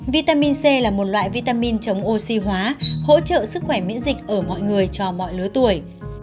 vitamin c là một loại vitamin chống oxy hóa hỗ trợ sức khỏe miễn dịch ở mọi người cho mọi lứa tuổi